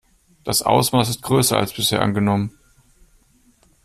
Das Ausmaß ist größer als bisher angenommen.